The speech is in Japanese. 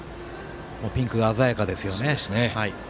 ピンクが鮮やかですよね。